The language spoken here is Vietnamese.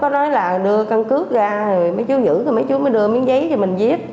nói là đưa căn cước ra mấy chú giữ mấy chú mới đưa miếng giấy cho mình viết